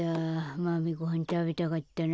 マメごはんたべたかったな。